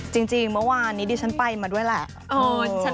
จริงเมื่อวานนี้ดิฉันไปมาด้วยแหละ